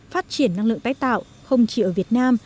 phát triển năng lượng tái tạo không chỉ ở việt nam